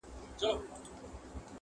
په وطن کي د لستوڼي ماران ډیر دي.